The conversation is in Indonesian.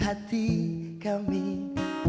kami akan mencoba